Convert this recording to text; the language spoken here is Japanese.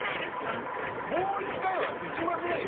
もう１回はできませんよ。